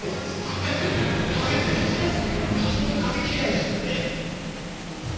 普通に髪切りゃいいじゃない。